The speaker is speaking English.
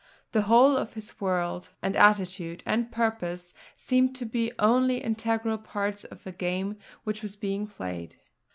The whole of his work, and attitude, and purpose, seemed to be only integral parts of a game which was being played.